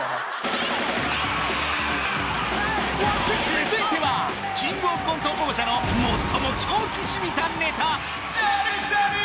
続いてはキングオブコント王者の最も狂気じみたネタ